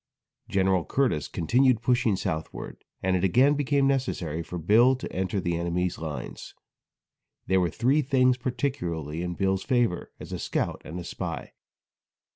Gen. Curtis continued pushing southward, and it again became necessary for Bill to enter the enemy's lines. There were three things particularly in Bill's favor as a scout and spy.